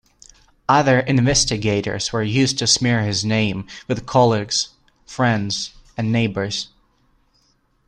Other investigators were used to smear his name with colleagues, friends and neighbours.